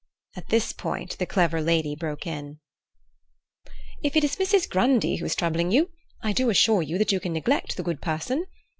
At this point the clever lady broke in. "If it is Mrs. Grundy who is troubling you, I do assure you that you can neglect the good person.